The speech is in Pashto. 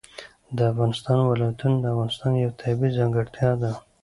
د افغانستان ولايتونه د افغانستان یوه طبیعي ځانګړتیا ده.